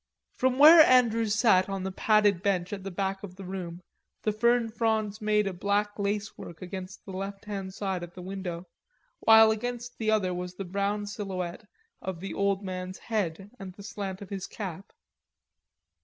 From where Andrews sat on the padded bench at the back of the room the fern fronds made a black lacework against the lefthand side of the window, while against the other was the brown silhouette of the old man's head, and the slant of his cap.